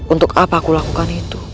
untuk apa aku lakukan itu